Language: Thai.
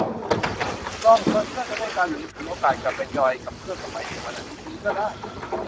ลองชวนเพื่อนไปช่วยกัน หรือถือโอกาสกลับไปจอยกับเพื่อนสมัยเด็กวันอาทิตย์นี้ก็ได้